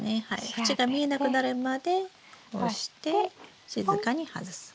口が見えなくなるまで押して静かに外す。